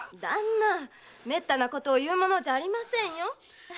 〔旦那めったなことを言うものじゃありません〕